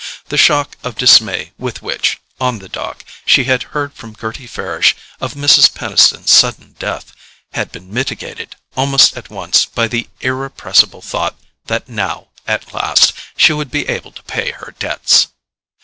The shock of dismay with which, on the dock, she had heard from Gerty Farish of Mrs. Peniston's sudden death, had been mitigated, almost at once, by the irrepressible thought that now, at last, she would be able to pay her debts.